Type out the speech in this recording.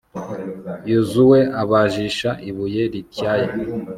yozuwe abajisha ibuye rityaye